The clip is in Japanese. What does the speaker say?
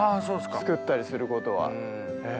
作ったりすることはええ。